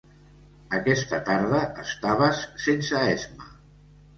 Aquesta tarda estaves sense esma.